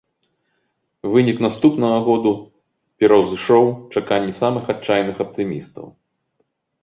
Вынік наступнага года пераўзышоў чаканні самых адчайных аптымістаў.